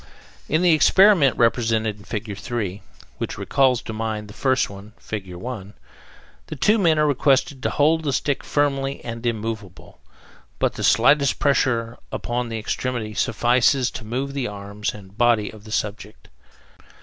In the experiment represented in Fig. 3, which recalls to mind the first one (Fig. 1), the two men are requested to hold the stick firmly and immovable, but the slightest pressure upon the extremity suffices to move the arms and body of the subject.